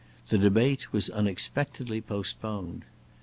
The debate was unexpectedly postponed.